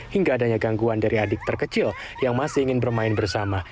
hingga adanya gangguan dari adik terkecil yang masih ingin bermain bersama